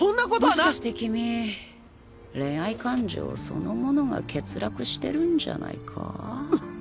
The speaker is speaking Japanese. もしかして君恋愛感情そのものが欠落してるんじゃないか？